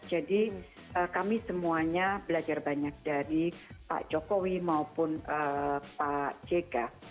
jadi kami semuanya belajar banyak dari pak jokowi maupun pak jk